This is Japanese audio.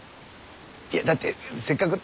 いやだってせっかく。